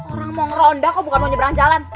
orang mau ngeronda kok bukan mau nyeberang jalan